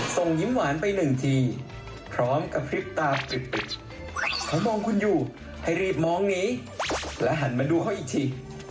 ส่งยิ้มหวานไปหนึ่งทีพร้อมกระพริบตามจิบเขามองคุณอยู่ให้รีบมองหนีและหันมาดูเขาอีกที